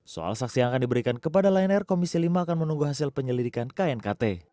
soal saksi yang akan diberikan kepada lion air komisi lima akan menunggu hasil penyelidikan knkt